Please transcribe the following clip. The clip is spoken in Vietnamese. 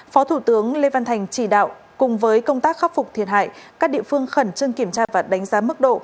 phó thủ tướng lê văn thành chỉ đạo cùng với công tác khắc phục thiệt hại các địa phương khẩn trương kiểm tra và đánh giá mức độ